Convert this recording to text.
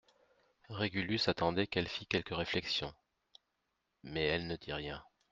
Régulus attendait qu'elle fit quelque réflexion, mais elle ne dit rien.